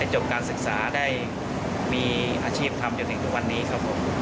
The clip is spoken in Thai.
จบการศึกษาได้มีอาชีพทำจนถึงทุกวันนี้ครับผม